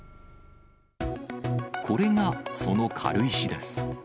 これがその軽石です。